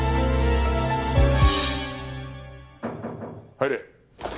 入れ。